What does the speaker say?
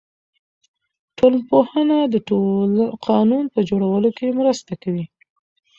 ټولنپوهنه د قانون په جوړولو کې مرسته کوي.